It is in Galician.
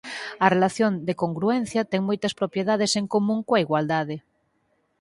A relación de congruencia ten moitas propiedades en común coa igualdade.